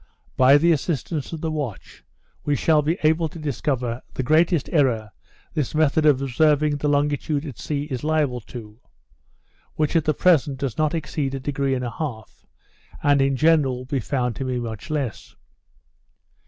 By the assistance of the watch, we shall be able to discover the greatest error this method of observing the longitude at sea is liable to; which at the greatest does not exceed a degree and a half, and in general will be found to be much less.